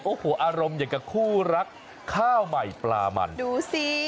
โอ้โหอารมณ์อย่างกับคู่รักข้าวใหม่ปลามันดูสิ